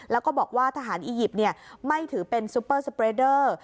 แล้วก็บอกว่าทหารอียิปต์ไม่ถือเป็นซุปเปอร์สเปรดเดอร์